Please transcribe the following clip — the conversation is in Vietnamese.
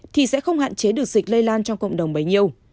thì sẽ không hạn chế được dịch lây lan trong cộng đồng bấy nhiêu